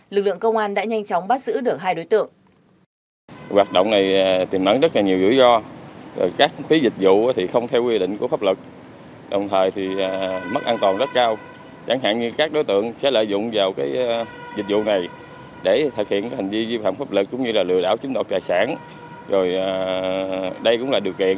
lực lượng công an đã nhanh chóng bắt giữ được hai đối tượng